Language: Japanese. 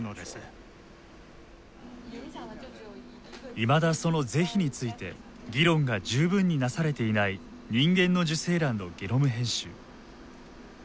いまだその是非について議論が十分になされていない人間の受精卵のゲノム編集。